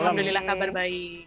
alhamdulillah kabar baik